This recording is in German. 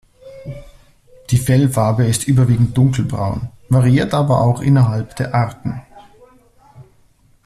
Die Fellfarbe ist überwiegend dunkelbraun, variiert aber auch innerhalb der Arten.